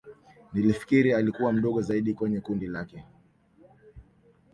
Nilifikiri alikua mdogo zaidi kweye kundi lake